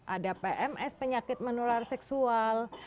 ada pms penyakit menular seksual